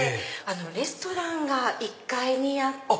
レストランが１階にあって。